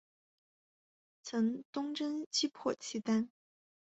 曾东征击破契丹。